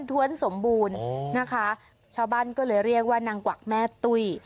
้วนสมบูรณ์นะคะชาวบ้านก็เลยเรียกว่านางกวักแม่ตุ้ย